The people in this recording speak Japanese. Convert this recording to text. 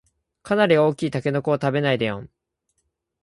かなり大きいタケノコを食べないでよん